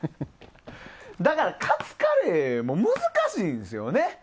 だからカツカレーも難しいんですよね。